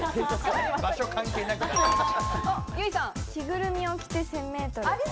着ぐるみを着て１０００ｍ。